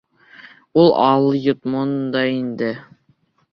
— Уй, алйотмон да инде!